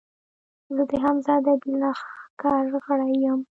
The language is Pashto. زۀ د حمزه ادبي لښکر غړے یم